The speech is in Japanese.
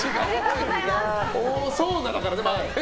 多そうだからね。